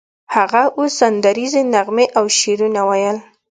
هغه اوس سندریزې نغمې او شعرونه ویل